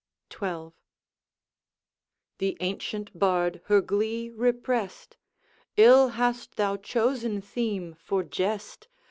XII.. The ancient bard her glee repressed: 'Ill hast thou chosen theme for jest!